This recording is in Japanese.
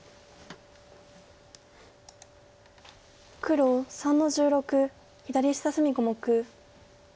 黒３の十六左下隅小目。